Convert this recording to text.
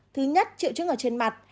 thứ nhất triệu chứng ở trên mặt